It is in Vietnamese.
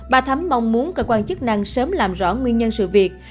bà thấm mong muốn cơ quan chức năng sớm làm rõ nguyên nhân sự việc